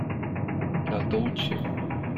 La Touche